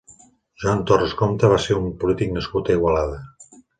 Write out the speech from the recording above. Joan Torras Compte va ser un polític nascut a Igualada.